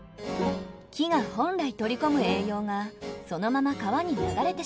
木が本来取り込む栄養がそのまま川に流れてしまいます。